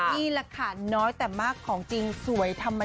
นี่แหละค่ะน้อยแต่มากของจริงสวยธรรมดา